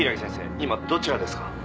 今どちらですか？